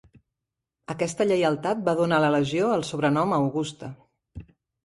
Aquesta lleialtat va donar a la legió el sobrenom "Augusta".